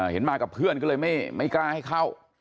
เห็นมากับเพื่อนก็เลยไม่กล้าให้เข้า